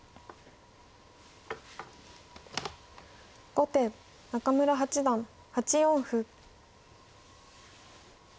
後手中村八段８四歩。